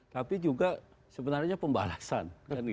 tapi juga sebenarnya pembalasan